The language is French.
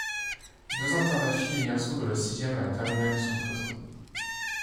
Deux internats filles et garçons de la sixième à la terminale y sont présents.